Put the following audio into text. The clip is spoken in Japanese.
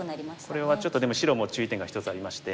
これはちょっとでも白も注意点が１つありまして。